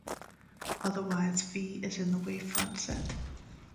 Otherwise, "v" is in the wavefront set.